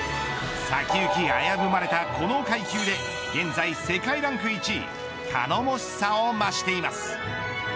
先行き危ぶまれたこの階級で現在世界ランク１位頼もしさを増しています。